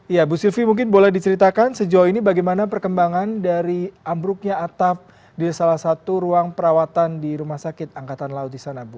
ya bu sylvi mungkin boleh diceritakan sejauh ini bagaimana perkembangan dari ambruknya atap di salah satu ruang perawatan di rumah sakit angkatan laut di sana bu